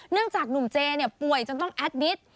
จากหนุ่มเจป่วยจนต้องแอดมิตร